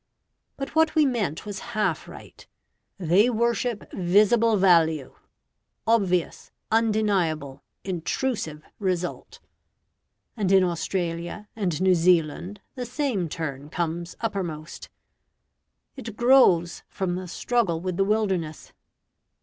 But what we meant was half right they worship visible value: obvious, undeniable, intrusive result. And in Australia and New Zealand the same turn comes uppermost. It grows from the struggle with the wilderness.